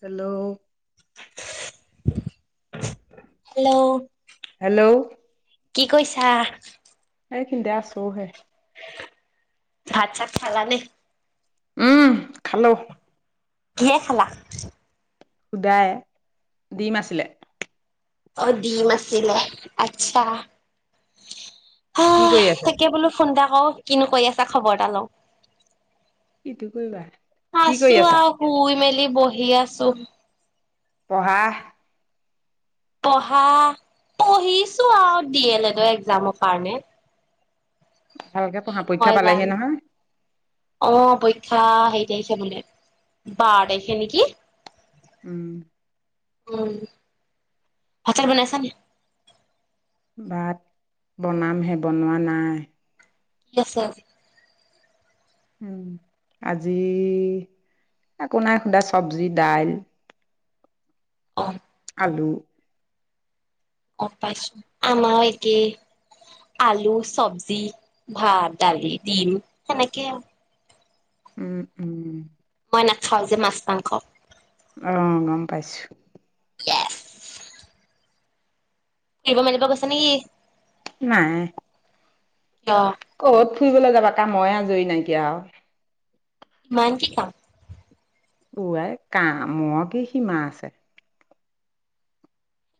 Hello, hello, hello কি কৈছা? এইখিনতে আছোহে। ভাত চাত খালা নে? উম, খালো। কিহে খালা? সুদায়, দিম আছিলে। অ, ডিম আছিলে। আচ্ছা', হ কি কৰি আছা তাকে বোলো ফোনতা অ, কিনো কৈ আছা খবৰ এটা লওঁ। কিটো কৰিবা কি কৰি আছো আছা আও, শুই মেলেলি বহি আছো। পঢ়া, পঢ়া, পঢ়িছো আও ডি এল এড একজামৰ কাৰণে। ভালকে কি পঢ়া নো পৰীক্ষা হয় পালেহি জানো, নহয় অ' প পৰীক্ষা হেই তাৰিখে বোলে, বাৰ তাইখে নেকি? উম, উম, ভাত-চাত বনাইছা নি? ভাত বনামহে বনোৱা নাই। কি আছে আজি? উম, আজি একো নাই সোদা চবজি, দাইল। অ খালো অ পাইছো আমাৰ একে, আলু, চবজি, ভাত, দালি, ডিম, সেনেকেই আও। উম উম মই নাখাওঁ যে মাছ মাংস। অ গম পাইছোঁ ইয়েছ। ক'ৰবাত ফুৰিবলৈ গৈছে নেকি নাই কিয় কত ফুৰিবলৈ যাবা কামই আজৰি নাইকিয়া আৰু ইমান কি কাম ৱাই কা ম কি সীমা আছে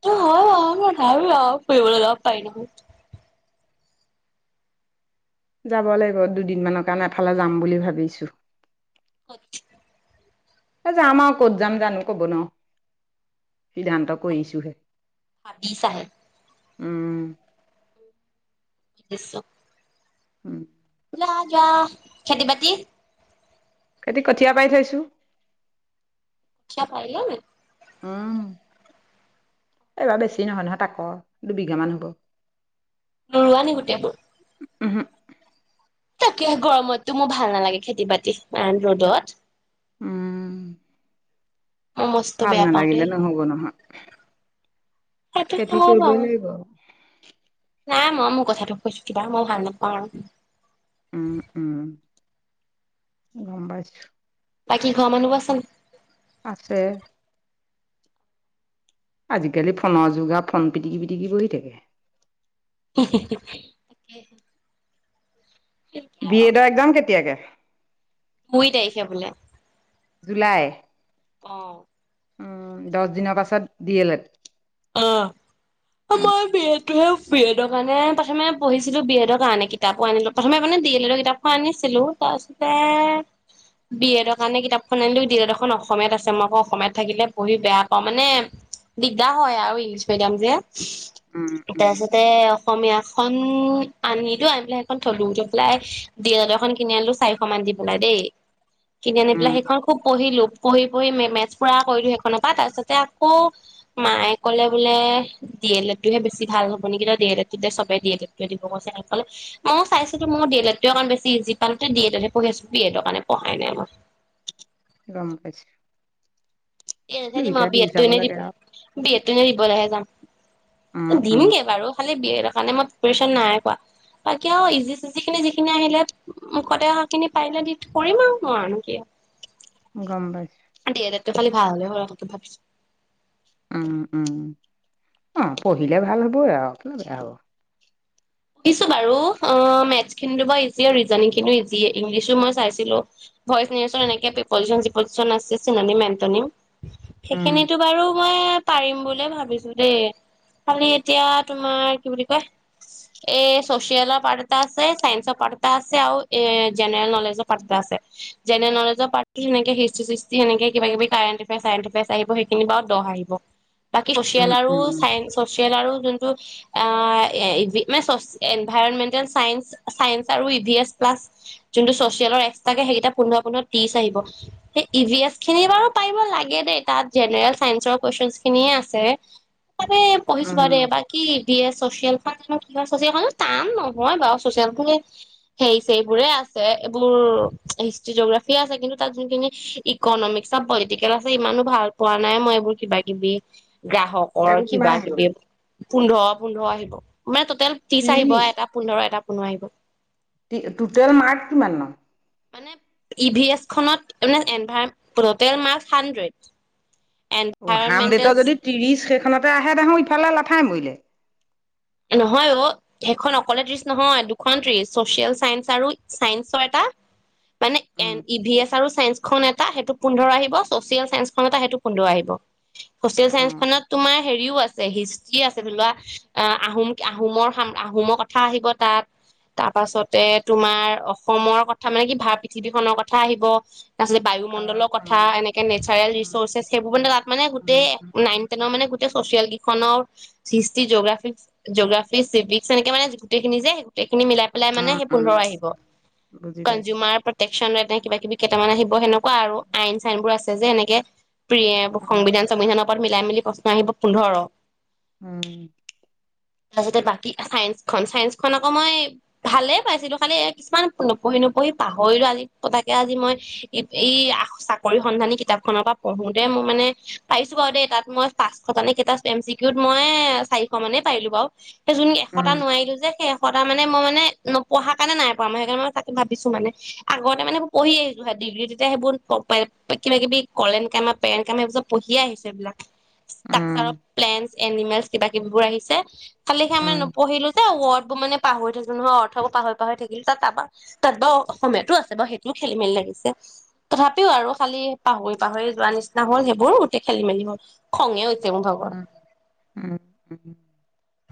অ ন ভাল পাও ফুৰিবলৈ লগ পায় বহুত যাব লাগিব দুদিনমানৰ কাৰণে এফালে যাম বুলি ভাবিছো কত যাম আৰু কত যাম জানো কব নোৱাৰো সিদ্ধান্ত কৰিছোহে হাবি চাহ উম দিছো উম যোৱা খেতি বাতি খেতি কঠীয়া পাৰি থৈছো পাৰিলাই নি এইবাৰ বেছি নহয় নহয় ত আকৌ দুবিঘামান হ'ব নৰুৱা নে গোটেইবোৰ ওহোঁ তাকে গৰমততো মোৰ ভাল নালাগে খেতি বাতি ৰ'দত উহ মই মস্ত ভাল বেয়া পাওঁ নালাগিলে দেই নহব নহয় সেইটো খেতি হয় কৰিবই বাৰু লাগিব ই নাই মই মোৰ কথাটো কৈছো কিবা মই ভাল নাপাওঁ আৰু উম উম গম পাইছো বাকী ঘৰ মানুহ বোৰ আচে নাই আছে আজিকালি ফোনৰ যগাৰ ফোন পিটিকি পিটিকি বহি থাকে হি হি বিয় এডৰ একজাম কেতিয়াকে দুই তাৰিখে বোলে জুলাই অ উম দহ দিনৰ পাছত দিলে অ মই বেয়াটো হে বি এডৰ কাৰণে প্ৰথমে পঢ়িছিলো বি এডৰ কাৰণে কিতাপো আনিলো প্ৰথমে মানে ডি এল এডৰ কিতাপখন আনিছিলো তাৰপিছতে বি এডৰ কাৰণে কিতাপখন আনিলো ডি এড এখন অসমীয়াত আছে মই আকৌ অসমীয়াত থাকিলে পঢ়ি বেয়া পাওঁ মানে দিগদাৰ হয় আৰু ইংলিছ মিডিয়াম যে উম উম তাৰপিছতে অসমীয়াখন আনিতো আনি পেলাই সেইখন থলুটো পেলাই দ এখন কিনি আনিলো চাৰিশ মান দি পেলাই দেই কিনি আনি পেলা উম সেইখন খুব পঢ়িলো পঢ়ি পঢ়ি মেছ পুৰা কৰিলো সেইখনৰ পৰা তাৰ পিছতে আকৌ মায়ে ক'লে বোলে ডি এল এডটো বেছি ভাল হব নেকি তাই এল এডবে ডি এল এড দিব কৈছে কলে ময়ো চাইছো ময়ো ডি এল এড কাৰ বেছি ইজি পাম ডি এডে পঢ়ি আছো বি এডৰ কাৰণে পঢ়াই নাই মই গম পাইছো এনেহে দিম আ বিয়েতটো এনেই দিম লাগে আৰু বিয়েতটো এনেই দিব লহে যাম উম উম দিমগে বাৰু খালি বিয়েট সেই কাৰণে মই প্ৰিপ্যেচন নাই কোৱা বাকী আৰু বাকী যিখিনি আহিলে মুখতে অহাখিনি পাৰিলে দি কৰিম আৰু মই আৰু ক গম পাইছো ভাল হলে হল ভাবিছো উম উম অ পঢ়িলে ভাল হবই আৰু কীয় বেয়া হব সুধিছো বাৰু মেথছ খিনি ইজি ৰিজনিং খিনিও ইজিয়ে ইংলিছো মই চাইছিলো ভইচ নিউচৰ এনেকে পিপজিচন চিপজিচন আছে চিন মেটনিম উম সেইখিনিতো বাৰু মই পাৰিম বুলিয়ে ভাবিছো দেই খালি এতিয়া তোমাৰ কি বুলি কয় এ চচিয়েলৰ পাৰ্ট এটা আছে চাইঞ্চৰ পাৰ্ট এটা আছে আৰু এ জেনেৰেল নলেজৰ পাৰ্ট এটা আছে জেনেৰেল নলেজৰ পাৰ্টটো তেনেকে হিষ্ট চিষ্টি সেনেকে কিব কিবি কাৰেণ্ট এফায়াৰচ চাৰেন এফায়াৰচ আহিব সেইখিনি বাৰু দহ আহিব বাকী উম চচিয়েল আৰু উম চাইন্স চচিয়েল আৰু যোনটো অ এ মানে এনভাইৰমেন্টেল চ চন্স আৰু ই ভি এছ প্লাচ যোনটো চচিয়েলৰ এক্সট্ৰাকে সেইকেইটা পোন্ধ পোধৰ টিচ আহিব সেই ই ভিএচ খিনি বাৰু পাৰ লাগে দেই তাত জেনেৰেল চাইন্সৰ কুৱেশন খিনিয়ে আছে মানে পঢ়িছো উম বাৰো দেই বাকী জি এছ চচিয়েল কতনো চচিয়েলজি টান নহয় বাৰু চচিয়েল এইবোৰে আছে এইবোৰ হিষ্ট্ৰি জিঅগ্ৰাফি আছে কিন্তু তাত যোনখিনি ইকনমিক বা পলিটিকেল আছে ইমানো ভাল পোৱা নাই মই এইবোৰ কিবা কিবি গ্ৰাহকৰ সেইবোৰ কিবা কিমান আহিব কিবি পোন্ধ পোন্ধৰ আহিব মই ত টোতেল তিছ আহিব ত্ৰিশ এটা পোন্ধৰ এটা নোৱাৰিব টোটেল মাৰ্ক কিমান ন মানে ই ভি এছ খত মানে টোটেল মাৰ্ক হাণ্ড্ৰেড অ এনভাইৰনমেন্টেল হানড্ৰেটৰ যদি ত্ৰিশ শেষ খনতে আহে দেখো ইফালে লাঠাই মৰিলে নহয় অ' সেইখন অকলে ত্ৰিছ নহয় দুখন ত্ৰিছ চচিয়েল চাইন্স আৰু চাইন্সৰ এটা মানে এ উম ই ভি এছ আৰু চাইন্স খন এটা সেইটো পোন্ধৰ আহিব চচিয়েল চাইন্স খন এটা সেইটো পোন্ধৰ আহিব চচিয়েল অ চাইন্স খনত তোমাৰ হেৰিও আছে হিষ্ট্ৰি আছে ধৰি লোৱা আহ আহোম আহোমৰ আহোমৰ কথা আহিব তাত তাৰ পাছতে তোমাৰ অসমৰ কথা মানে কি ভ পৃথিৱীখনৰ কথা আহিব তাৰপিছত অ বায়ুমণ্ডলৰ অ কথা এনেকে নেচাৰেল উম ৰিচৰ্চেছ সেইবোৰ মানে উম তাত মানে উম গোটেই উম নাইন তেনৰ মানে ছচিয়েল কেইখনৰ হিষ্ট্ৰি জিঅগ্ৰফি চিভিক্স এনেকে মানে গোটেইখিনি যে গোটেই গোটেই খিনি মিলাই বিলাই উম সেই উম পোন্ধৰ আহিব বুজি পাইছো কনজোমাৰ নে কিবা কিবি কেইটামান আহিব কোৱা আৰু আইন চাইন বোৰ আছে যে এনেকে প্ৰিয়ে উম সংবিধান চংবিধানত পৰত মিলাই মেলি প্ৰশ্ন আহিব পোন্ধৰ উম তাৰপিছতে বাকী চাইন্স খন চাইন্স খন আকৌ মই ভালে পাইছিলো খালি কিছুমান নপঢ়ি নপঢ়ি পাহৰিলো আজি পতাকে আজি মই এই চাকৰি সন্ধানী কিতাপ খনৰ পৰা পঢ়োতে মই মানে পাইছো বাৰু দেই তাত মই পাঁচটান ক এম চউত মই চাৰিটা মানে পাইলো বাৰু সেই যোন এশতা উম নোৱাৰিলো যে সেই সটা মানে মই মানে ন পঢ়াৰ কাৰণে নাই প় ম সেইকাৰণে মই তাকি ভিছো মানে আগতে মানে পঢ়ি আহিছো ডিগ্ৰী তেতিয়া সেইবোৰ কিবা কিবি কলেন কামাৰ পেৰেণ্ট কাম সবোৰ চব পঢ়িয়ে আহিছো এইবিলাক ষ্ট্ৰাকচাৰ উম অ প্লেন এনিমেলছ কিবা বোৰ আহিছে কালি সি আমে উম পঢিলো যে ওড মানে পাহৰি থাকিল নহয় অৰ্থ পাহৰি পাহৰি থাকিলো তাত আৰু তাত বাৰ অসমীয়াতো আছে বাৰু সেইটোও খেলি মেলি লাগিছে তথাপিও আৰু খালি পাহৰি পাহৰি যোৱা নিচিনা হল সেইবোৰ গোটেই খেলি মেলি হল খঙে ভাব উম উম উম উম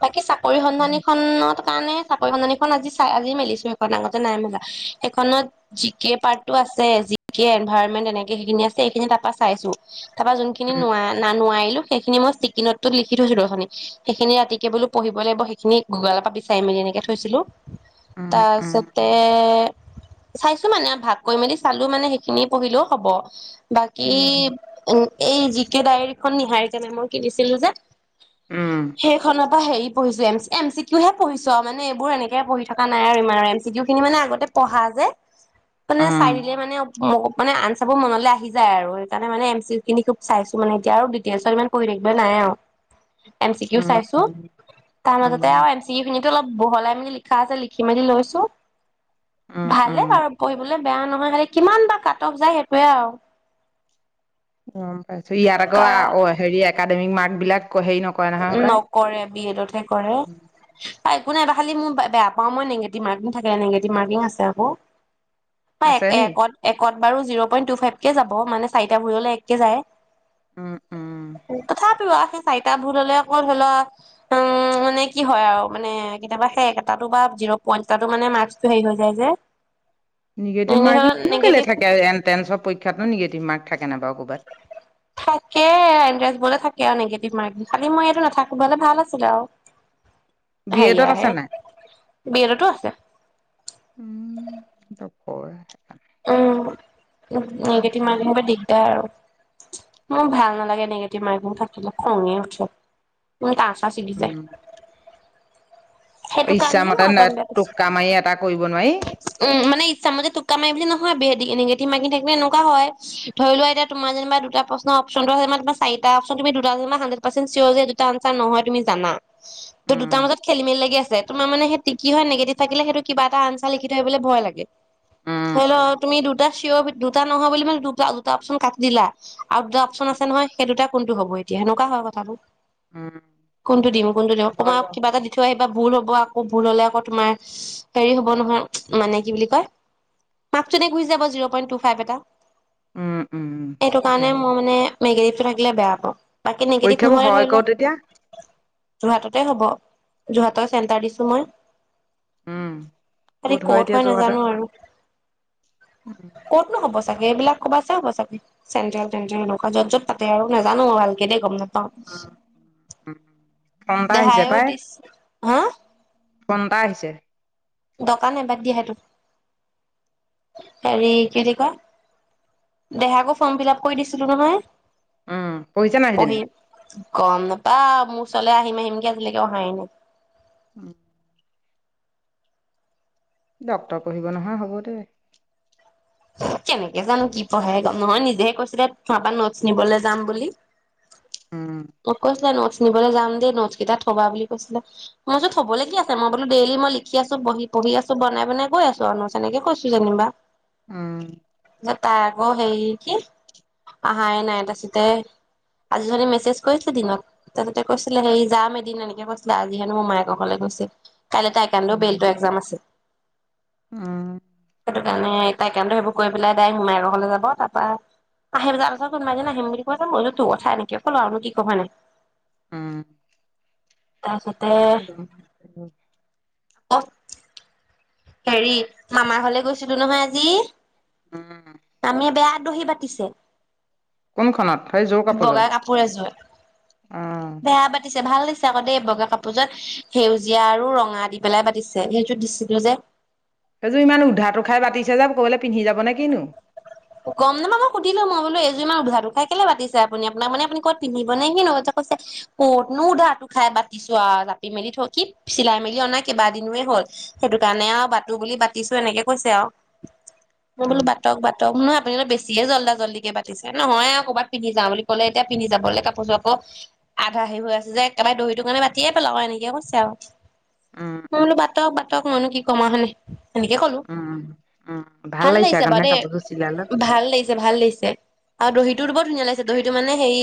বাকি চাক‌ পৰিসন্ধানীখনত তানে চাকৰি সন্ধানীখন আজি চাই আজি মেলিছো সেইখন আগতে নাই মেলা সেইখনত জিকে পাৰ্টটো আছে যি কে এনভাইৰনমেন্ট এনেকে সেইখিনি আছে সেইখিনি তাৰ পৰা চাইছো তথা যোনখিনি উম ন নোৱাৰিলো সেইখিনি মই চিকিনত লিখি থৈছিলোখি সেইখিনি ৰাতি বোলো পঢ়িব লাগিব সেইখিনি গুগলৰ পৰা বিচাৰি মেলি এনেকে থৈছিলো উম তাৰ উম, পিছতে চাইছো মানে ভাগ কৰি মেলি চালো মানে সেইখিনি পঢ়িলেও হব বাকী উম, উ এই জি কে ডায়েৰীখন নীহাৰিকা মেমৰ মই কিনিছিলো যে উম, সেই ত পৰা হেৰি পঢ়িছো এম চিউহে পঢিছো আৰু মানে এইবোৰ এনেকে পঢ়ি থকা নাই আৰু ইমান আৰু এম চিউ খিনি মানে আগতে পঢ়া যে মানে উম, চাই দিলে মানে ম মানে আনচাৰ বোৰ মনলৈ আহি যায় আৰু সেইকাৰণে মানে এম চি ইউ খিনি খুব চাইছো মানে এতিয়া আৰু ডিটেইলছত ইমান পঢ়ি থাকিবে নাই এম চিকউ উম, চাই উম, তাৰ মাজতে উম। এম চি তো অলপ বহলাই মেলি লিখা আছে লিখি মেলি লৈছো উম, ভালে উম, বাৰু পঢ়িবলে বেয়া নহয় খালি কিমান বা কাটফ যায় সেইটোয়ে আৰু অ ইয়াত কা আক হেৰি একাডেমিক মাৰ্কবিলাক নকৰে বি এডতহে কৰে একো নাইব খালি মই বেয়া পাওঁ মই নিগটিভ মাৰ্কিং থাকে নিগেটিভ মাৰ্কিং আছে আকৌ এক আছে নি? একত একত বাৰু জিৰ' পইণ্ট টু ফাইভ কে যাব মানে চাৰিটা ভৰিলৈ একে যায় উম, উম, তথাপিও বা [unintelligible] এটা ভুল হলে আকৌ ধৰি লোৱা উম মানে কি হয় আৰু মানে কেতিয়াবা শে একেটা বা জিৰ পইন এ মানে মাচ্ছটো হৈ যায় যে নিগেটিভ এনে ধৰ মাৰ্ক কে কে নিগেটিভ থাকে এণ্ট্ৰেঞ্চৰ পৰীক্ষাতো নিগেটিভ মাৰ্ক থাকে নে বাৰু ক'ৰবাত? থাকে থাকে আৰু নিগেটিভ মাৰ্ক খালি মই এইটো নাথাকো হলে ভাল আছিলে আৰু‌ বি এডত সেইয়াৰ আছে নাই? হে ভিডিঅ' টো আছে হয় উম উম, নিগেটিভ মাৰ্কিনৰ বা দিগদাৰ আৰু মোৰ ভাল নালাগে নিগেটিভ মাইক ম থাকে খঙে উঠে ম সাঁচি দি যায় উম। সেইটো কাৰণেহে ইচ্ছামতে মই অকণ নে- টোক্কা মাৰি এটা কৰিব নোৱাৰি। বেয়াছো উম মানে ইচ্ছা মই যে টোককা মাৰি বুলি ন ন নিগেটিভ ম্কিন থাকিলে এনেুৱা হয় ধৰি লোৱা এয়া তোমাৰ যেনিবা দুটা প্ৰশ্ন অপশন আ তাৰ চাৰিটা অপচন তুমি দুটা হানডেৰেট পাৰ্চ চিয়ৰ যে দুটা আনঞ্চাৰ নহয় তুমি জানা তই উম, দুটাৰ মাজত খেলি মেলি লাগি তোমাৰ মানে সেই কিয় নেগেটিভ থাকিলে সেইটো কিবা এটা আনচাৰ লিখি থৈ আহিবলৈ ভয় লাগে, উম, হ লও উম, তুমি দুটা চিয়ৰ দুটা নহয় বুলি মানে দু দুটা অপচন কাটি দিলা আৰু দুটা অপশন আছে নহয় সেই দুটা কোনটো হব এতিয়া সেনেকুৱা হয় কথাটো উম, কোনটো দিম কোনটো দিম হয় তোমাক বাৰু কিবা এটা সেইটো। দি থৈ আহিব ভুল হলে আকৌ তোমাৰ হ হব নহয় মানে কি বুলি কয় মাক্ এনেই গোছি যাব জিৰ পই ফাইপ এটা উম, উম, এইটো সেইটো কাৰণে হয়। মই মানে মেগ থাকিলে বেয়া পাওঁ বাকী নিগেটিভ পৰীক্ষাবোৰ নহয় হয় ধৰি ক'ত এতিয়া লোৱা যোৰহাটতে হব যোৰহাটৰ চেণ্টাৰ দিছো মই উম আৰি কত হয় নাজানো আৰু কতনো হ'ব চাগে এইবিলাক কবাত ছিব ছাবি চেট্ৰেলে টেন্টেল একুৱা য' য'ত পাতে আৰু নাজানো ভালকে কেনে গম নাপাওঁ ফোন এটা দেহাইও দিছ হা ফনটা আহিছে দোকান এবাদ দিয়াহেটো হেৰি কি বুলি কয় দেহকৌ ফৰ্ম ফিল আপ কৰি দিছিলো নহয় উম পঢ়িছে নাই সেইজনী পঢ়ি গম দোটা মোৰ ওচৰলৈ আহিম আহিমগে আজিলৈকে অহাই নাই উম ডক্তৰ পঢ়িব নহয় হ'ব দে কেনেকে জানো কি পঢ়ে গম নহয় নিজেহে কৈছিলে তাৰ পৰা নোটচ নিবলৈ যাম বুলি উম অ কৈচিলা নিবলৈ যাম দেই নোটছ কেইটা থবা বুলি কৈছিলে মইতো থবলৈ কি আছে মই বোলো ডেইলি মই লিখি আছো পঢি আছো বনাই বনাই গৈ আছো আৰু নোজ তেনেকে কৈছো যেনিবা উম তাই আকৌ হেৰি কি অহাই নাই তাৰপিছতে আজি যদি মেছেজ কৰিছিলে দিনত তাৰপছতে কৈছিলে হেৰি যাম এদিন এনেকে কৈছিলে আজি হেনো মোমায়েকৰ ঘলে গৈছিল কাইলৈ তাই কান্দো উম বেলটোৰ একজাম আছে। উম। সেইকাৰণে তাই কামটো সেইবোৰ কৰি পেলাই মোমায়েকৰ ঘৰলৈ যাব। তাৰপৰা আহি পেলাই তাৰপিছত কোনোবা এদিন আহিম বুলি কৈছে। মই বোলো তোৰ কথা এনেকে ক'লো আৰুনো কি কম হয়নাই? উম। তাৰপিছতে [unintelligible] অ'ফ হেৰি মামাৰ ঘৰলে গৈছিলো নহয় আজি! উম, আমি বেয়া দহি বাতিছে। কোনখনত? সেই যোৰ কাপোৰযোৰ? বগা কাপোৰ এযোৰত অ'। বেয়া বাতিছে ভাল দিছে আকৌ দে, বগা কাপোৰযোৰত সেউজীয়া আৰু ৰঙা দি পেলাই বাতিছে সেইটোত দিছিলো যে। সেইযোৰ ইমান উধাতো খাই বাতিছে যে ক'ৰবালৈ পিন্ধি যাব নে কিনো? গম নাপাও মই সুধিলো মই বোলো এযোৰ ইমান উধাটো খাই কেলে বাতিছে আপুনি, আপোনাক মানে আপুনি ক'ত পিন্ধিব নে কিনো? কৈছে ক'তনো উধাটো খাই বাতিছো আৰু জাপি মেলি থৈ, কি চিলাই-মেলি অনা কেইবাদিনোৱে হ'ল, সেইটোকাৰণে আৰু বাতো বুলি বাতিছো এনেকে কৈছে আৰু। মই বোলো উম বাতক বাত বাতক নহয় আপুনি বেছিয়ে জলদা-জলদিকে বাতিছে, নহয় আৰু ক'ৰবাত পিন্ধি যাও বুলি ক'লে, এতিয়া পিন্ধি যাবলৈ কাপোৰযোৰ আকৌ আধা হে হৈ আছে যে, একেবাৰে দহিটো কাৰণে বাতিয়ে পেলাও আও এনেকে কৈছে আও। উম মই উম বোলো বাতক বাতক মইনো কি কম আউ হয় নে? সেনেকে ক'লো। উম উম ভাল লাগিছে আগনিচিনা কাপোৰযোৰ চিলালত ভাল লাগিছে ভাল লাগিছে। [unintelligible] আৰু দহিটো বৰ ধুনীয়া লাগিছে, দহিটো মানে হেৰি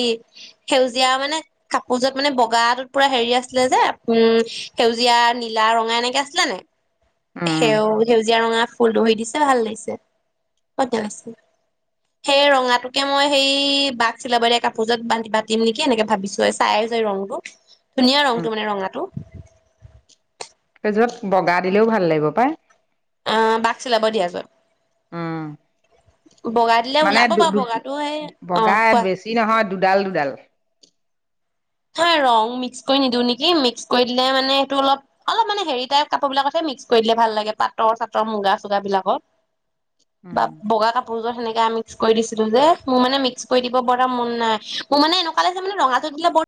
সেউজীয়া মানে, কাপোৰযোৰত মানে বগাটোত পুৰা হেৰি আছিলে যে উম, সেউজীয়া নীলা-ৰঙা এনেকে আছিলে নে? উম সেউ-সেউজীয়া-ৰঙা ফুল দহি দিছে ভাল লাগিছে। সেই ৰঙাটোকে মই সেই বাক চিলাব দিয়া কাপোৰযোৰত বা-বাতিম নেকি! এনেকে ভাবিছো চাই যে ৰংটো ধুনীয়া উম ৰঙটো মানে ৰঙাটো। সেইযোৰত বগা দিলেও ভাল লাগিব পাই। অ' বাক চিলাব দিয়াযোৰত। উম বগা দিলে মানে ওলাব বাৰু দু-দু বগাটো সেই অ বগা কোৱা বেছি নহয়, দুডাল দুডাল। সেই ৰং মিক্স কৰি নিদিও নেকি, মিক্স কৰি দিলে মানে সেইটো অলপ, অলপ মানে হেৰি টাইপ কাপোৰবিলাকতহে মিক্স কৰি দিলে ভাল লাগে পাটৰ-চাটৰ, মুগা-চুগা বিলাকত। বা উম বগা কাপোৰযোৰত সেনেকে। ইয়াৰ মিস্ক কৰি দিছিলো যে, মোৰ মানে মিক্স কৰি দিব বৰ এটা মন নাই, মোৰ মানে এনেকুৱা লাগিছে মানে ৰঙাযোৰ দিলে বৰ